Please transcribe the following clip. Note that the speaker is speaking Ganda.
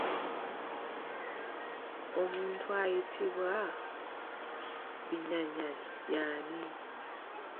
Omuntu ayitibwa “Binyanyali" y'ani?